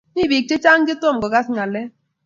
Mi bik che chang' chetom kokas ng'alek.